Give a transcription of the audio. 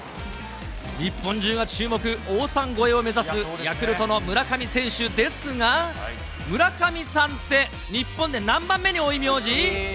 日本中が注目、王さん超えを目指す、ヤクルトの村上選手ですが、村上さんって、日本で何番目に多い名字？